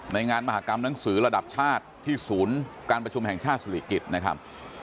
งานมหากรรมหนังสือระดับชาติที่ศูนย์การประชุมแห่งชาติสุริกิจนะครับ